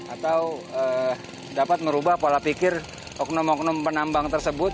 atau dapat merubah pola pikir oknum oknum penambang tersebut